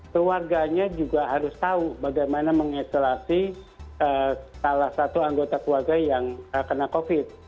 keluarganya juga harus tahu bagaimana mengisolasi salah satu anggota keluarga yang kena covid